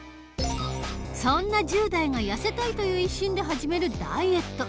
そんな１０代がやせたいという一心で始めるダイエット。